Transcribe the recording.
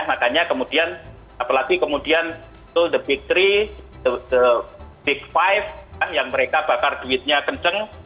makanya kemudian apalagi kemudian the big three the big five yang mereka bakar duitnya kencang